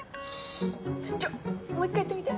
ちょもう一回言ってみて。